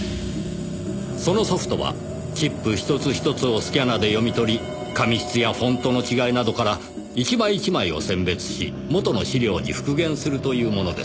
そのソフトはチップ一つ一つをスキャナーで読み取り紙質やフォントの違いなどから一枚一枚を選別し元の資料に復元するというものです。